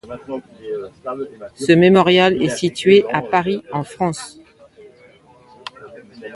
Ce mémorial est situé à Paris en France.